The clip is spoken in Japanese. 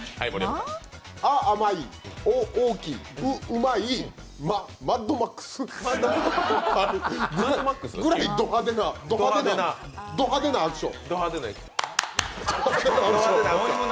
ま、マッドマックスぐらいド派手なアクション。